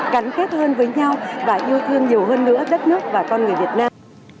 gắn kết hơn với nhau và yêu thương nhiều hơn nữa đất nước và con người việt nam